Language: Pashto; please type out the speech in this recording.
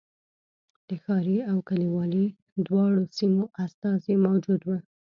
د ښاري او کلیوالي دواړو سیمو استازي موجود و.